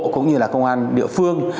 cũng như là công an địa phương